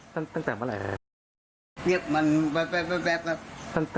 แป๊บตั้งแต่เมื่อไหร่นะ